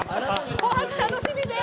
「紅白」楽しみです！